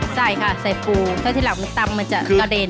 ใส่ค่ะใส่ปูถ้าทีหลังมันตำมันจะกระเด็น